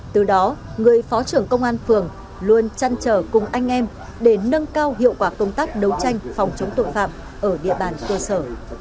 từ đó người phó trưởng công an phường luôn chăn trở cùng anh em để nâng cao hiệu quả công tác đấu tranh phòng chống tội phạm ở địa bàn cơ sở